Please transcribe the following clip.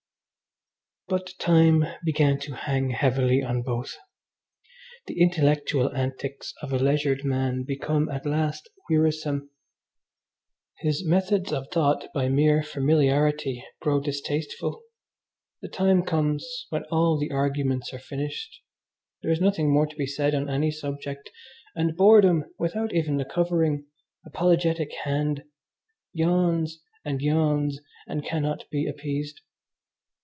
But time began to hang heavily on both. The intellectual antics of a leisured man become at last wearisome; his methods of thought, by mere familiarity, grow distasteful; the time comes when all the arguments are finished, there is nothing more to be said on any subject, and boredom, without even the covering, apologetic hand, yawns and yawns and cannot be appeased.